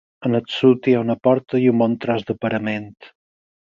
Al sud hi ha una porta i un bon tros de parament.